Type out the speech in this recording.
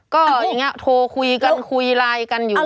ก็อย่างนี้โทรคุยกันคุยไลน์กันอยู่